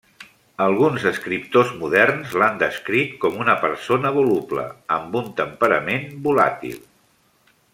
Alguns escriptors moderns l'han descrit com una persona voluble, amb un temperament volàtil.